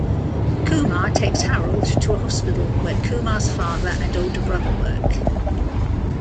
Kumar takes Harold to a hospital where Kumar's father and older brother work.